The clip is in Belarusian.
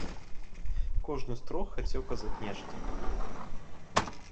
Кожны з трох хацеў казаць нешта.